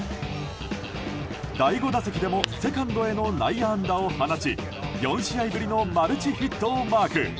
第５打席でもセカンドへの内野安打を放ち４試合ぶりのマルチヒットをマーク。